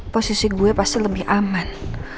posisi gue pasti lebih aman